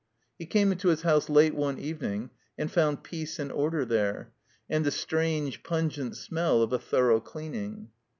He came into his house late one evening and fotmd peace and order there, and the strange, ptmgent smell of a thorough cleaning.